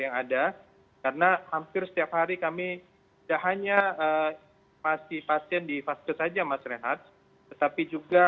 yang ada karena hampir setiap hari kami tidak hanya pasien di vaskes saja mas rehat tetapi juga